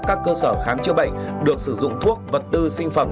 các cơ sở khám chữa bệnh được sử dụng thuốc vật tư sinh phẩm